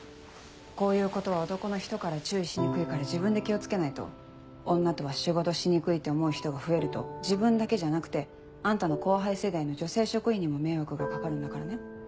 こういうことは男の人から注意しにくいから自分で気を付けないと女とは仕事しにくいって思う人が増えると自分だけじゃなくてあんたの後輩世代の女性職員にも迷惑が掛かるんだからね